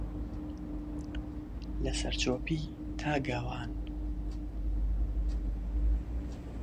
لەسەرچۆپی تا گاوان